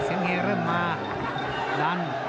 เสียงเฮเริ่มมีเสียงเฮเริ่มมา